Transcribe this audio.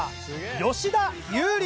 吉田優利